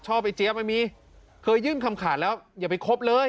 ไอ้เจี๊ยไม่มีเคยยื่นคำขาดแล้วอย่าไปคบเลย